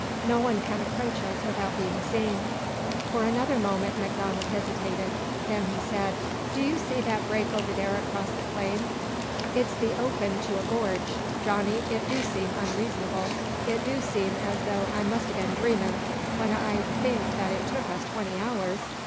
"No one can approach us without being seen." For another moment MacDonald hesitated. Then he said: "Do you see that break over there across the plain? It's the open to a gorge. Johnny, it do seem unreasonable it do seem as though I must ha' been dreamin' when I think that it took us twenty hours!